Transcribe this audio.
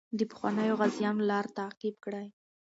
د پخوانیو غازیانو لار تعقیب کړئ.